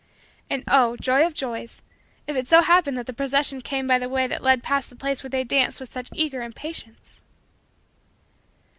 And oh, joy of joys, if it so happened that the procession came by the way that led past the place where they danced with such eager impatience!